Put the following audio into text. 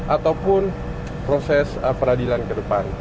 ataupun proses peradilan kedepan